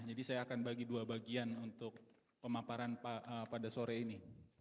jadi saya akan bagi dua bagian untuk pemaparan pada sore ini